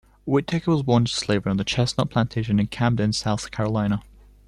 Whittaker was born into slavery on the Chesnut Plantation in Camden, South Carolina.